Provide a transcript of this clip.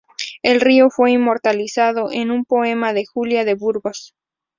El río fue inmortalizado en un poema de Julia de Burgos.